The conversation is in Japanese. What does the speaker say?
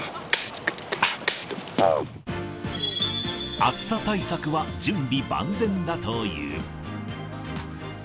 暑さ対策は準備万全だという。